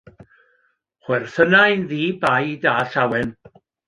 Chwerthynai'n ddi-baid a llawen.